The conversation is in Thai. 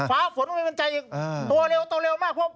ฟ้าฝนมันใจอย่างตัวเร็วตัวเร็วมาก